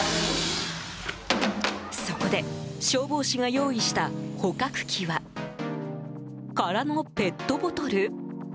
そこで消防士が用意した捕獲器は空のペットボトル？